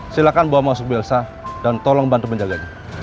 silahkan bawa masuk ibu elsa dan tolong bantu menjaganya